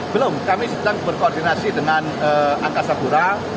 belum kami sedang berkoordinasi dengan angkasa pura